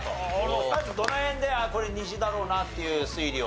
どの辺でこれ虹だろうなっていう推理を？